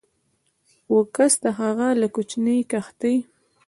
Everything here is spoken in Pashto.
و کس د هغه له کوچنۍ کښتۍ